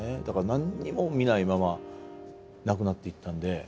だから何も見ないまま亡くなっていったんで。